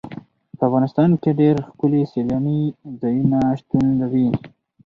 په افغانستان کې ډېر ښکلي سیلاني ځایونه شتون لري.